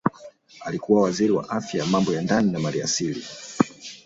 Alikuwa Waziri wa Afya Mambo ya Ndani na Maliasili